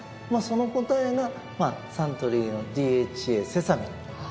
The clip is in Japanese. まあその答えがサントリーのＤＨＡセサミン。